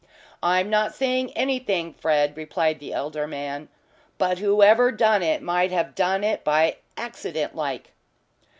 "I'm not saying anything, Fred," replied the elder man. "But whoever done it might have done it by accident like."